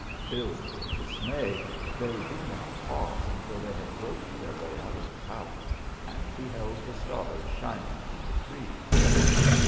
Filled with dismay, they did not pause until they had groped their way out of the tower, and beheld the stars shining through the trees.